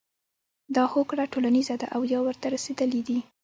دا هوکړه ټولیزه ده او یا ورته رسیدلي دي.